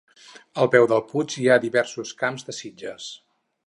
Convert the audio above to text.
Al peu del puig hi ha diversos camps de sitges.